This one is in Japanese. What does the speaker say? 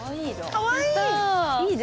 かわいい！